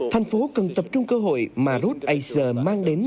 thành phố cần tập trung cơ hội mà roadace mang đến